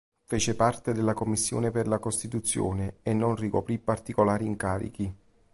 Fece parte della Commissione per la Costituzione e non ricoprì particolari incarichi.